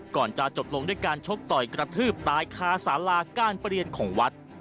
ก่อนจะจบลงด้วยการชกต่อยกระทืบตายคาสาราการเปลี่ยนของวัด